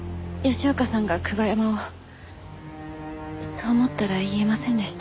そう思ったら言えませんでした。